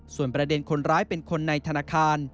ส่วนประเด็นคนร้ายเป็นคนในธนาคาร